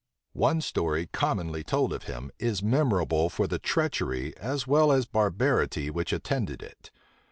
One story, commonly told of him, is memorable for the treachery, as well as barbarity, which attended it.